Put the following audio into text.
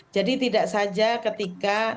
jadi tidak saja ketika